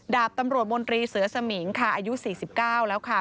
ดาบตำรวจมนตรีเสือสมิงค่ะอายุ๔๙แล้วค่ะ